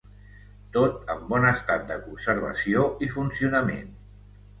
Tot en bon estat de conservació i funcionament.